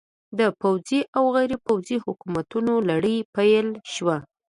د پوځي او غیر پوځي حکومتونو لړۍ پیل شوه.